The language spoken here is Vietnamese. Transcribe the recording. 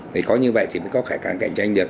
thì có như vậy thì mới có khả năng cạnh tranh được